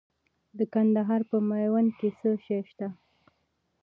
د کندهار په میوند کې څه شی شته؟